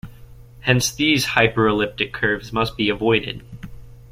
Hence these hyperelliptic curves must be avoided.